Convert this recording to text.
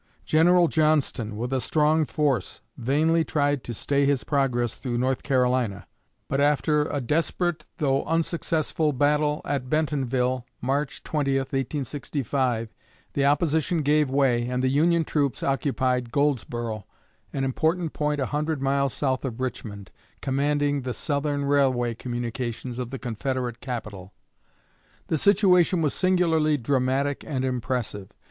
General Johnston, with a strong force, vainly tried to stay his progress through North Carolina; but after a desperate though unsuccessful battle at Bentonville (March 20, 1865), the opposition gave way, and the Union troops occupied Goldsboro, an important point a hundred miles south of Richmond, commanding the Southern railway communications of the Confederate capital. The situation was singularly dramatic and impressive.